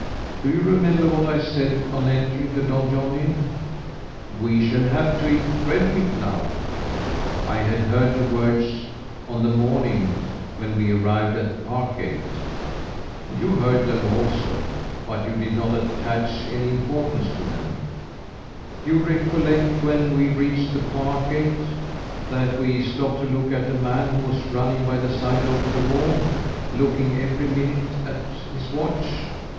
Do you remember what I said, on entering the Donjon Inn? 'We shall have to eat red meat now!' I had heard the words on the same morning when we arrived at the park gate. You heard them also, but you did not attach any importance to them. You recollect, when we reached the park gate, that we stopped to look at a man who was running by the side of the wall, looking every minute at his watch.